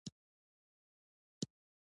خاکسار صیب وويل مخکې بازارګوټی دی.